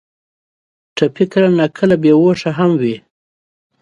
ټپي کله ناکله بې هوشه وي.